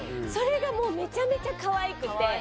それがもうめちゃめちゃ可愛くて。